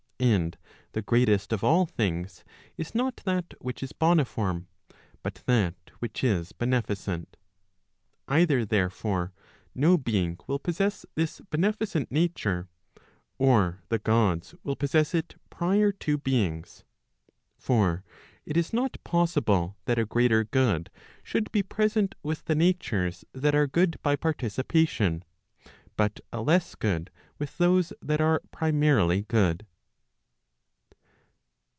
And the greatest of all things is not that which is boniform, but that which is beneficent. Either, therefore, no being will possess this beneficent nature, or the Gods will possess it prior to beings. For it is not possible that a greater good should be present with the natures that are good by participation, but a less good with those that are primarily good.